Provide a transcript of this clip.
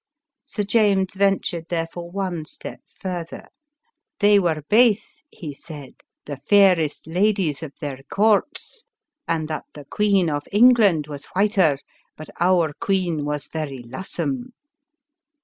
Sir James ventured, therefore, one step further. " They were baith," he said, " the fairest ladies of their courts, and that the Queen of England was whiter, but our queen was very lusome."